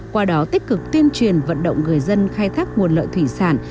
qua đó tích cực tuyên truyền vận động người dân khai thác nguồn lợi thủy sản